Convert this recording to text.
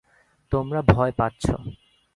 তোমরা ভয় পাচ্ছ।